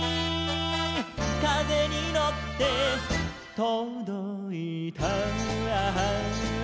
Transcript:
「かぜにのってとどいた」